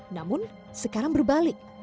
namun sekarang berbalik